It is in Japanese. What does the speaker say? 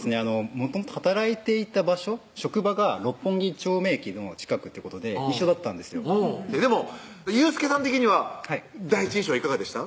もともと働いていた場所職場が六本木一丁目駅の近くってことで一緒だったんですでも佑介さん的には第一印象はいかがでした？